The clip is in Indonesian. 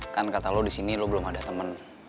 kan kata lo disini lo belum ada temen